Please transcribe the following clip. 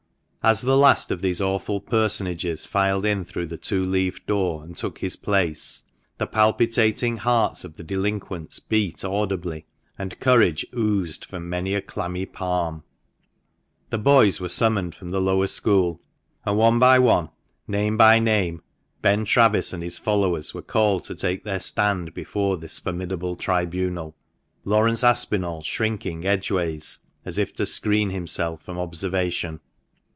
As the last of these awful personages filed in through the two leaved door, and took his place, the palpitating hearts of the delinquents beat audibly, and courage oozed from many a clammy palm. The boys were summoned from the lower school, and one by one, name by name, Ben Travis and his followers were called to take their stand before this formidable tribunal, Laurence Aspinall shrinking edgeways, as if to screen himself from observation.